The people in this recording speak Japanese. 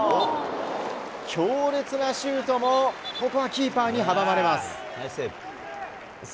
強烈なシュートも、ここはキーパーにはばまれます。